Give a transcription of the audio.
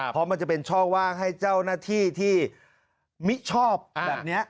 เพราะมันจะเป็นช่องว่างให้เจ้าหน้าที่ที่มิชอบแบบนี้